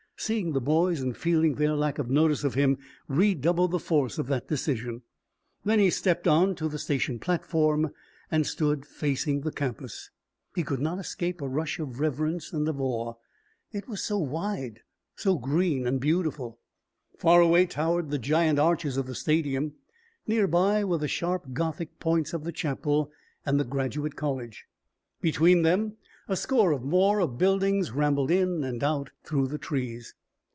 Seeing the boys and feeling their lack of notice of him redoubled the force of that decision. Then he stepped on to the station platform and stood facing the campus. He could not escape a rush of reverence and of awe; it was so wide, so green and beautiful. Far away towered the giant arches of the stadium. Near by were the sharp Gothic points of the chapel and the graduate college. Between them a score or more of buildings rambled in and out through the trees.